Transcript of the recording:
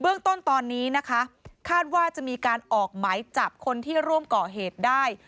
เรื่องต้นตอนนี้นะคะคาดว่าจะมีการออกหมายจับคนที่ร่วมก่อเหตุได้